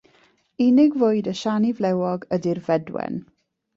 Unig fwyd y siani flewog ydy'r fedwen.